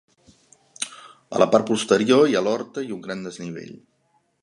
A la part posterior hi ha l'horta i un gran desnivell.